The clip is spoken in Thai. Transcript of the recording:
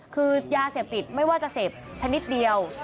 คือยาเสพติดไม่ว่าจะเสพชนิดเดียว